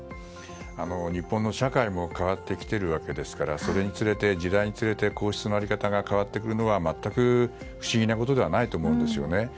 日本の社会も変わってきているわけですからそれにつれて皇室の在り方が変わってくるのは全く不思議なことではないと思うんですよね。